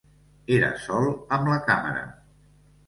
Era sol amb la càmera.